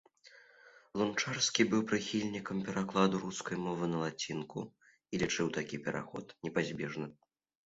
Луначарскі быў прыхільнікам перакладу рускай мовы на лацінку і лічыў такі пераход непазбежным.